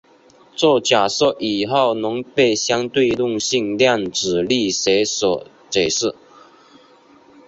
这假设以后能被相对论性量子力学所解释。